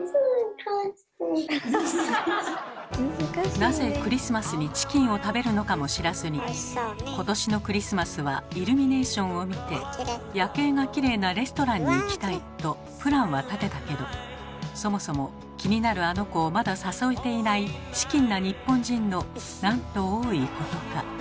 なぜクリスマスにチキンを食べるのかも知らずに「今年のクリスマスはイルミネーションを見て夜景がきれいなレストランに行きたい」とプランは立てたけどそもそも気になるあの子をまだ誘えていないチキンな日本人のなんと多いことか。